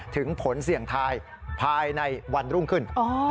ถึงผลเสี่ยงทายภายในวันรุ่งขึ้น